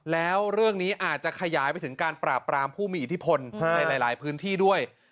แล้วเรื่องนี้อาจจะขยายไปถึงการปราบปรามผู้มีอิทธิพลในหลายพื้นที่ด้วย